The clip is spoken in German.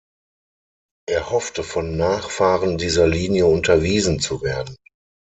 Er hoffte von Nachfahren dieser Linie unterwiesen zu werden.